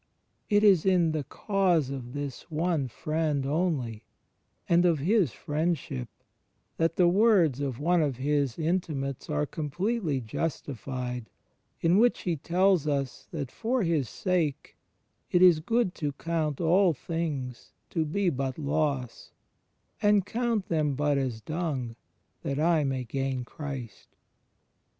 It is in the cause of this one Friend only and of His Friendship that the words of one of His intimates are completely justified in which he tells us that for His sake it is good to '^ coimt all things to be but loss" — "and coxmt them but as dimg, that I may gain Christ."